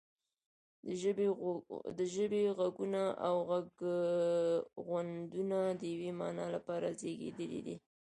د ژبې غږونه او غږغونډونه د یوې معنا لپاره زیږیدلي دي